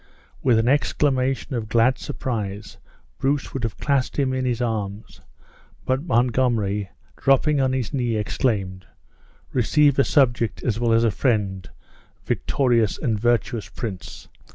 With an exclamation of glad surprise Bruce would have clasped him in his arms; but Montgomery dropping on his knee, exclaimed, "Receive a subject as well as a friend, victorious and virtuous prince!